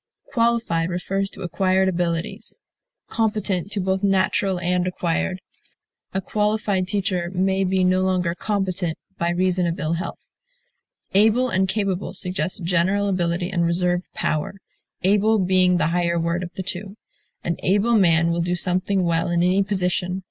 Qualified refers to acquired abilities; competent to both natural and acquired; a qualified teacher may be no longer competent, by reason of ill health. Able and capable suggest general ability and reserved power, able being the higher word of the two. An able man will do something well in any position.